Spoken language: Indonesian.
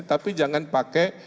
tapi jangan pakai